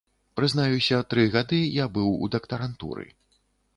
Прызнаюся, тры гады я быў у дактарантуры.